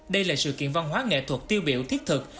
đây là sự kiện văn hóa nghệ thuật tiêu biểu thiết thực